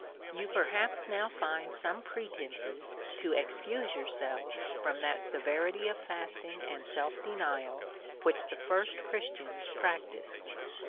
You perhaps now find some pretences to excuse yourself from the severity of fasting and self denial, which the first Christians practised.